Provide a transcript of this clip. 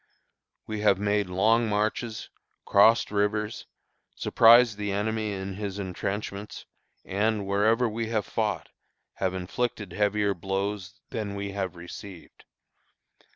We have made long marches, crossed rivers, surprised the enemy in his intrenchments, and, wherever we have fought, have inflicted heavier blows than we have received.